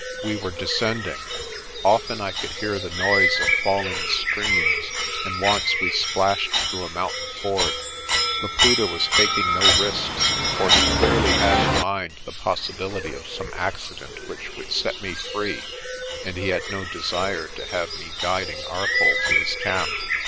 We were descending. Often I could hear the noise of fall ing streams and once we splashed through a mountain ford. Laputa was taking no risks, for he clearly had in mind the possibility of some accident which would set me free and he had no desire to have me guiding Arcoll to his camp.